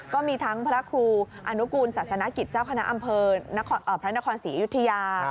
ก็มีทั้งพระครูอนุกูลศาสนกิจเจ้าคณะอำเภอพระนครศรีอยุธยา